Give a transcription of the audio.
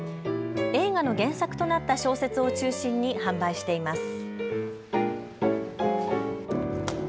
映画の原作となった小説を中心に販売しています。